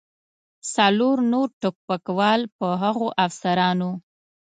څلور نور ټوپکوال پر هغو افسرانو.